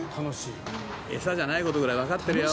餌じゃないことぐらいわかってるよって。